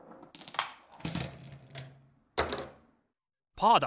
パーだ！